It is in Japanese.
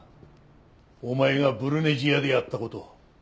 お前がブルネジアでやった事。